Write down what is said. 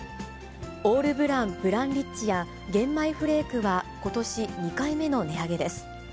オールブランブランリッチや玄米フレークはことし２回目の値上げです。